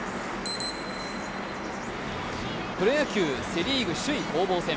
プロ野球、セ・リーグ首位攻防戦。